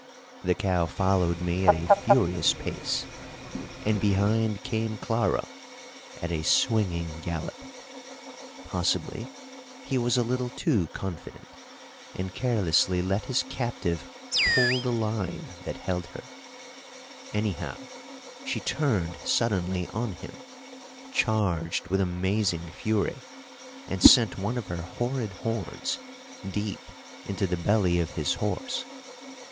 The cow followed me at a furious pace, and behind came Claro at a swinging gallop. Possibly he was a little too confident, and carelessly let his captive pull the line that held her; anyhow, she turned suddenly on him, charged with amazing fury, and sent one of her horrid horns deep into the belly of his horse.